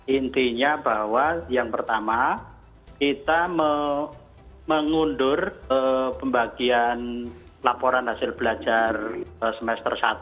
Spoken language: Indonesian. intinya bahwa yang pertama kita mengundur pembagian laporan hasil belajar semester satu